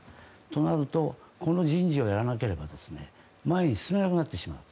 となると、この人事をやらなければ前に進めなくなってしまう。